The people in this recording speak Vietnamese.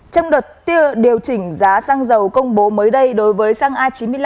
trong đợt điều chỉnh giá xăng dầu công bố mới đây đối với xăng a chín mươi năm